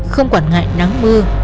không quản ngại nắng mưa